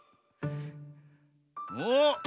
おっ。